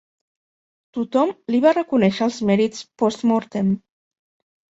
Tothom li va reconèixer els mèrits 'post mortem'.